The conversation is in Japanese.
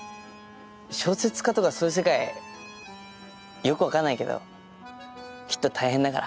小説家とかそういう世界よく分かんないけどきっと大変だから。